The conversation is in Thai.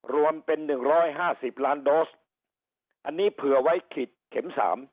รวมเป็น๑๕๐ล้านโดสอันนี้เผื่อไว้ขีดเข็ม๓